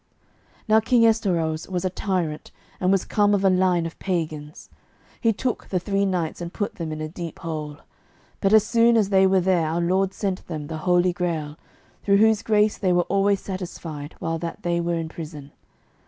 Now King Estorause was a tyrant, and was come of a line of pagans. He took the three knights and put them in a deep hole. But as soon as they were there our Lord sent them the Holy Grail, through whose grace they were always satisfied while that they were in prison.